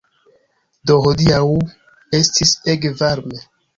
Do, hodiaŭ estis ege varme